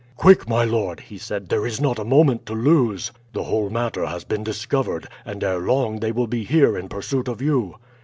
"Quick, my lord!" he said, "there is not a moment to lose. The whole matter has been discovered, and ere long they will be here in pursuit of you."